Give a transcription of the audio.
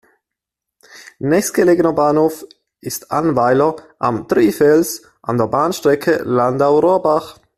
Nächstgelegener Bahnhof ist Annweiler am Trifels an der Bahnstrecke Landau–Rohrbach.